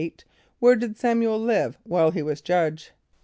= Where did S[)a]m´u el live while he was judge?